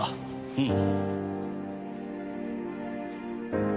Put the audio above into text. うん。